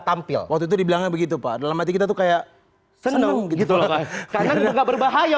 tampil waktu itu dibilangnya begitu pak dalam hati kita tuh kayak seneng gitu loh karena berbahaya